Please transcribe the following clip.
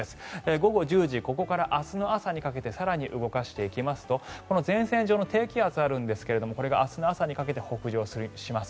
午後１０時ここから明日の朝にかけて動かしていきますと前線上の低気圧があるんですがこれが明日の朝にかけて北上します。